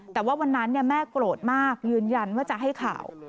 แต่ว่าวันนั้นแม่โกรธมากยืนยันว่าจะให้ข่าว